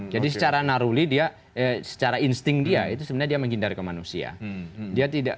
jadi secara naruli dia secara insting dia itu sebenarnya dia menghindar ke manusia